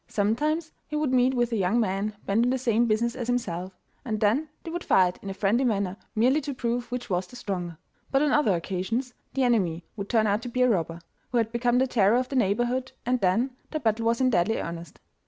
Sometimes he would meet with a young man bent on the same business as himself, and then they would fight in a friendly manner, merely to prove which was the stronger, but on other occasions the enemy would turn out to be a robber, who had become the terror of the neighbourhood, and then the battle was in deadly earnest.